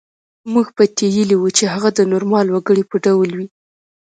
موږ پتېیلې وه چې هغه د نورمال وګړي په ډول وي